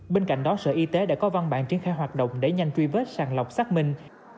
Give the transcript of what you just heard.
bên cạnh đó sở y tế đã có văn bản triển khai hoạt động để nhanh truy vết sàng lọc xác minh